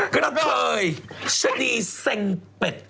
กระเทยฉนี่เซ่งเป็ด